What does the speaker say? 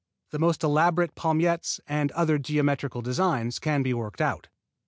The most elaborate palmettes and other geometrical designs can be worked out.